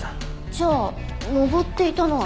じゃあ登っていたのは別の木。